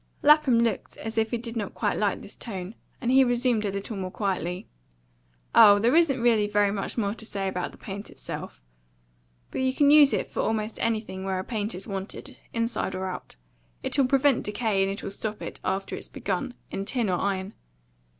Lapham looked as if he did not quite like this tone, and he resumed a little more quietly. "Oh, there isn't really very much more to say about the paint itself. But you can use it for almost anything where a paint is wanted, inside or out. It'll prevent decay, and it'll stop it, after it's begun, in tin or iron.